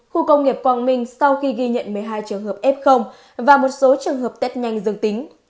khu công nghiệp quang minh sau khi ghi nhận một mươi hai trường hợp f và một số trường hợp test nhanh dường tính